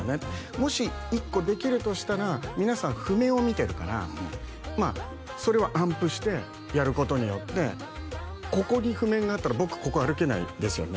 もし１個できるとしたら皆さん譜面を見てるからそれは暗譜してやることによってここに譜面があったら僕ここ歩けないですよね？